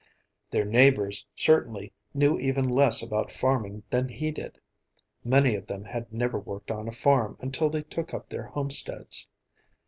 Their neighbors, certainly, knew even less about farming than he did. Many of them had never worked on a farm until they took up their homesteads.